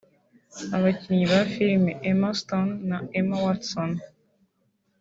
abakinnyi ba filime Emma Stone na Emma Watson